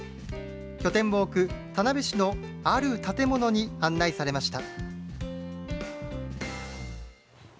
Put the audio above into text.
拠点を置く田辺市のある建物に案内されました。